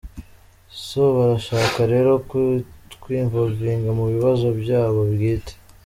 So barashaka rero kutw-involvinga mu bibazo bya bo bwite”.